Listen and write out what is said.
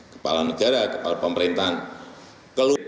kepala negara kepala pemerintahan